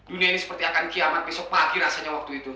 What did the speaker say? dunia ini seperti akan kiamat besok pagi rasanya waktu itu